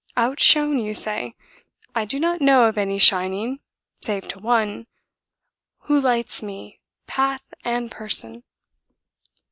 "Outshone, you say? I do not know of any shining save to one, who lights me, path and person!"